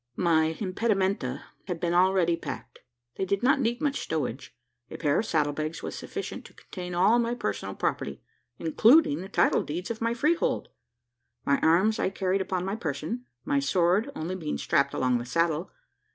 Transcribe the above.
My impedimenta had been already packed. They did not need much stowage. A pair of saddle bags was sufficient to contain all my personal property including the title deeds of my freehold! My arms I carried upon my person: my sword only being strapped along the saddle.